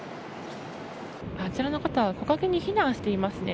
あちらの方は木陰に避難していますね。